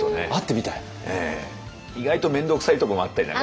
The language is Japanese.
意外と面倒くさいとこもあったりなんかしてね。